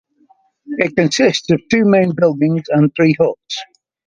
It consists of two main buildings and three huts.